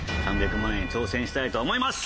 ３００万円挑戦したいと思います！